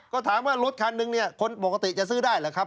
ก็ถามว่ารถคันนึงเนี่ยคนปกติจะซื้อได้หรือครับ